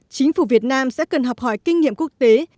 chính phủ việt nam sẽ cần học hỏi kinh nghiệm quốc tế